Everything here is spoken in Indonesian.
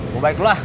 mau baik lu lah